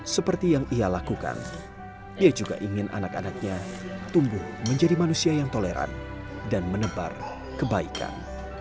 seperti yang ia lakukan dia juga ingin anak anaknya tumbuh menjadi manusia yang toleran dan menebar kebaikan